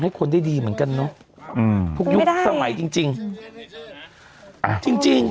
คนได้ดีเหมือนกันเนอะอืมทุกยุคสมัยจริงจริงอ่าจริงจริง